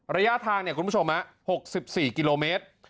ระยะทาง๖๔กิโลเมตร